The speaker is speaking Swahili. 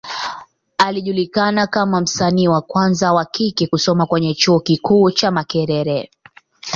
Alijulikana kama msanii wa kwanza wa kike kusoma kwenye Chuo kikuu cha Makerere.